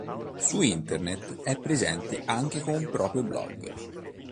Su Internet è presente anche con un proprio blog.